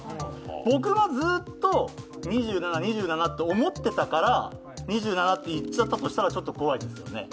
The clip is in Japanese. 僕がずっと２７、２７って思ってたから２７って言っちゃったとしたらちょっと怖いですよね？